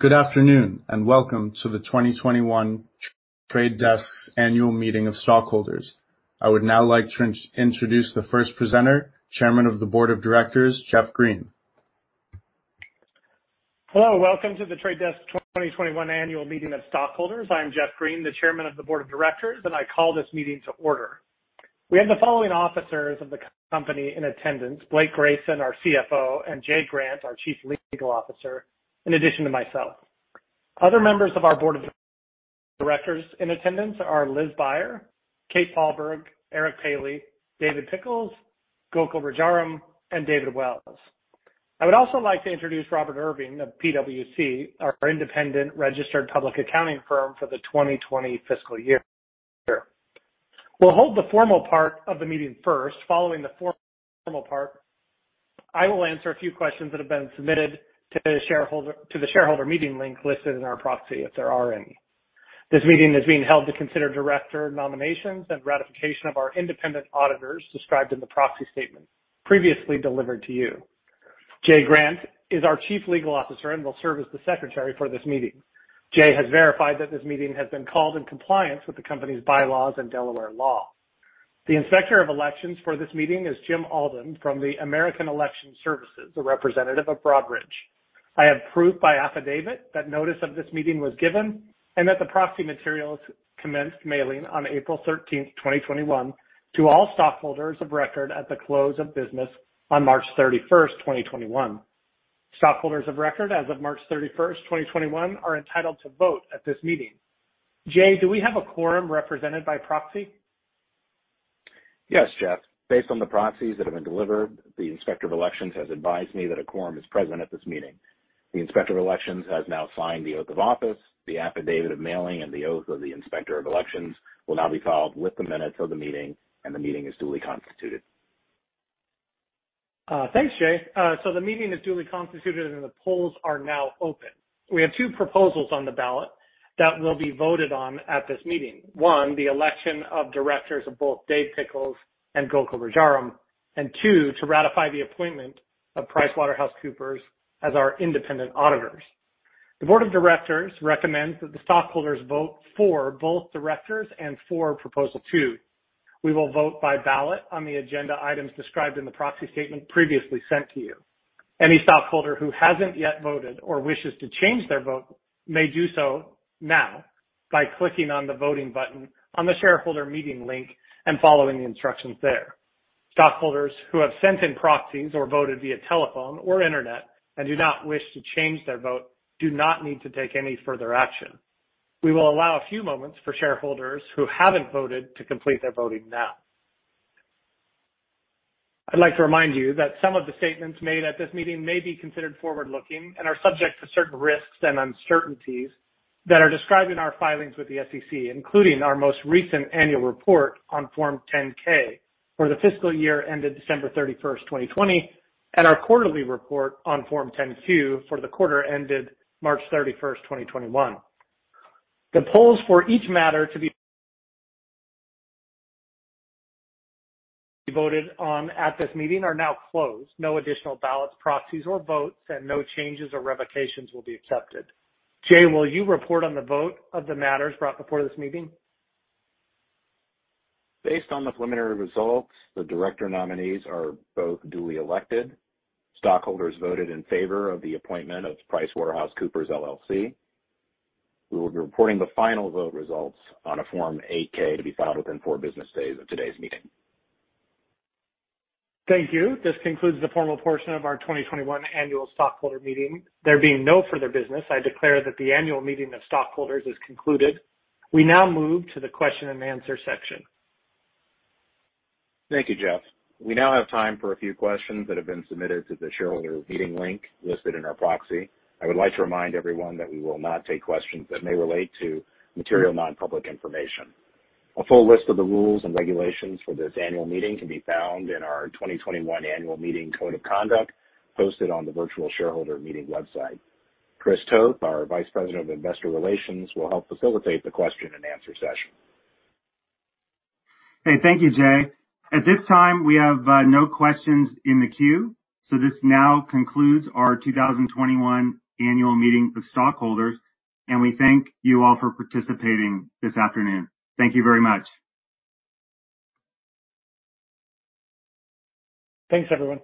Good afternoon, and welcome to The Trade Desk's annual meeting of stockholders. I would now like to introduce the first presenter, Chairman of the Board of Directors, Jeff Green. Hello. Welcome to The Trade Desk 2021 annual meeting of stockholders. I'm Jeff Green, the Chairman of the Board of Directors, and I call this meeting to order. We have the following officers of the company in attendance, Blake Grayson, our CFO, and Jay Grant, our Chief Legal Officer, in addition to myself. Other members of our Board of Directors in attendance are Lise Buyer, Kathryn Falberg, Eric Paley, David Pickles, Gokul Rajaram, and David Wells. I would also like to introduce Robert Irving of PwC, our independent registered public accounting firm for the 2020 fiscal year. We'll hold the formal part of the meeting first. Following the formal part, I will answer a few questions that have been submitted to the shareholder meeting link listed in our proxy, if there are any. This meeting is being held to consider director nominations and ratification of our independent auditors described in the proxy statement previously delivered to you. Jay Grant is our chief legal officer and will serve as the secretary for this meeting. Jay has verified that this meeting has been called in compliance with the company's bylaws and Delaware law. The inspector of elections for this meeting is Jim Alden from the American Election Services, a representative of Broadridge. I have proof by affidavit that notice of this meeting was given and that the proxy materials commenced mailing on April 13, 2021, to all stockholders of record at the close of business on March 31, 2021. Stockholders of record as of March 31, 2021, are entitled to vote at this meeting. Jay, do we have a quorum represented by proxy? Yes, Jeff. Based on the proxies that have been delivered, the Inspector of Elections has advised me that a quorum is present at this meeting. The Inspector of Elections has now signed the oath of office. The affidavit of mailing and the oath of the Inspector of Elections will now be filed with the minutes of the meeting. The meeting is duly constituted. Thanks, Jay. The meeting is duly constituted, and the polls are now open. We have two proposals on the ballot that will be voted on at this meeting. One, the election of directors of both David Pickles and Gokul Rajaram, and two, to ratify the appointment of PricewaterhouseCoopers as our independent auditors. The board of directors recommends that the stockholders vote for both directors and for proposal two. We will vote by ballot on the agenda items described in the proxy statement previously sent to you. Any stockholder who hasn't yet voted or wishes to change their vote may do so now by clicking on the voting button on the shareholder meeting link and following the instructions there. Stockholders who have sent in proxies or voted via telephone or internet and do not wish to change their vote do not need to take any further action. We will allow a few moments for shareholders who haven't voted to complete their voting now. I'd like to remind you that some of the statements made at this meeting may be considered forward-looking and are subject to certain risks and uncertainties that are described in our filings with the SEC, including our most recent annual report on Form 10-K for the fiscal year ended December 31st, 2020, and our quarterly report on Form 10-Q for the quarter ended March 31st, 2021. The polls for each matter to be voted on at this meeting are now closed. No additional ballots, proxies or votes, and no changes or revocations will be accepted. Jay, will you report on the vote of the matters brought before this meeting? Based on the preliminary results, the director nominees are both duly elected. Stockholders voted in favor of the appointment of PricewaterhouseCoopers LLP. We will be reporting the final vote results on a Form 8-K to be filed within four business days of today's meeting. Thank you. This concludes the formal portion of our 2021 annual stockholder meeting. There being no further business, I declare that the annual meeting of stockholders is concluded. We now move to the question and answer section. Thank you, Jeff. We now have time for a few questions that have been submitted to the shareholder meeting link listed in our proxy. I would like to remind everyone that we will not take questions that may relate to material non-public information. A full list of the rules and regulations for this annual meeting can be found in our 2021 annual meeting code of conduct posted on the virtual shareholder meeting website. Chris Toth, our Vice President of Investor Relations, will help facilitate the question and answer session. Hey, thank you, Jay. At this time, we have no questions in the queue, so this now concludes our 2021 annual meeting of stockholders, and we thank you all for participating this afternoon. Thank you very much. Thanks, everyone.